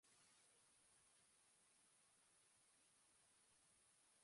Kronikari batentzat, indar posible guztiarekin begiratzea da.